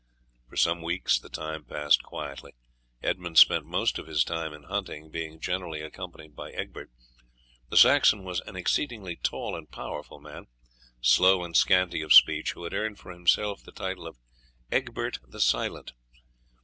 For some weeks the time passed quietly. Edmund spent most of his time in hunting, being generally accompanied by Egbert. The Saxon was an exceedingly tall and powerful man, slow and scanty of speech, who had earned for himself the title of Egbert the Silent.